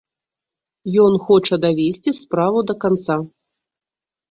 Ён хоча давесці справу да канца.